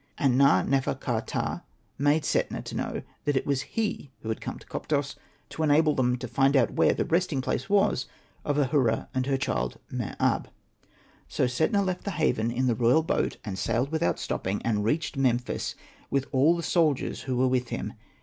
And Na.nefer.ka.ptah made Setna to know that it was he who had come to Koptos, to enable them to find out where the resting place was of Ahura and her child Mer ab. So Setna left the haven in the royal boat, and sailed without stopping, and reached Memphis with all the soldiers who were with him.